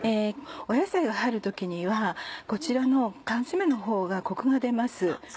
野菜が入る時にはこちらの缶詰のほうがコクが出ます。